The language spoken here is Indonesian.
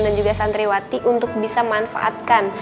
dan juga santriwati untuk bisa manfaatkan